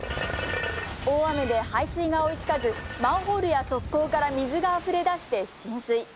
大雨で排水が追いつかずマンホールや側溝から水があふれ出して、浸水。